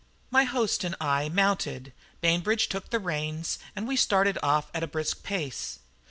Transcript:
My host and I mounted, Bainbridge took the reins, and we started off at a brisk pace.